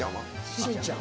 「しんちゃん」。